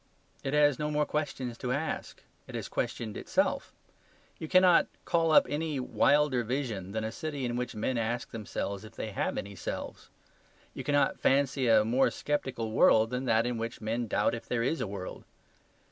It has no more questions to ask; it has questioned itself. You cannot call up any wilder vision than a city in which men ask themselves if they have any selves. You cannot fancy a more sceptical world than that in which men doubt if there is a world.